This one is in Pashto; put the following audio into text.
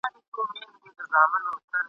هغه ښوونکی چي موږ ته درس راکوي، ډېر تکړه دی.